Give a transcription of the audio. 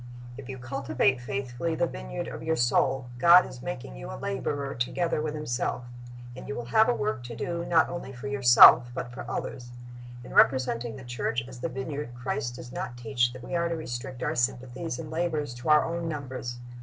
"' If you cultivate faithfully the vineyard of your soul, God is making you a laborer together with Himself And you will have a work to do not only for yourself, but for others. In representing the church as the vineyard, Christ does not teach that we are to restrict our sympathies and labors to our own numbers.